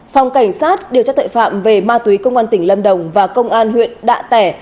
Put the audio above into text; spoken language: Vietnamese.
phòng cảnh sát điều tra tội phạm về ma túy công an tỉnh lâm đồng và công an huyện đạ tẻ